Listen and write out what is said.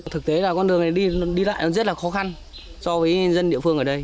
thực tế là con đường này đi lại rất là khó khăn so với dân địa phương ở đây